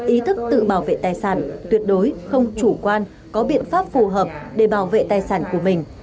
ý thức tự bảo vệ tài sản tuyệt đối không chủ quan có biện pháp phù hợp để bảo vệ tài sản của mình